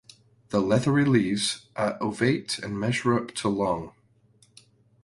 The leathery leaves are ovate and measure up to long.